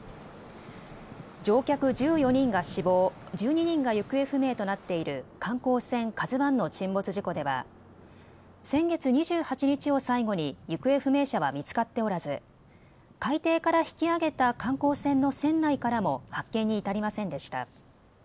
乗客１４人が死亡、１２人が行方不明となっている観光船、ＫＡＺＵＩの沈没事故では先月２８日を最後に行方不明者は見つかっておらず海底から引き揚げた観光船の船内からも発見に至りませんでした。